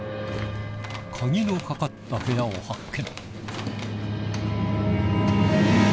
鍵の掛かった部屋を発見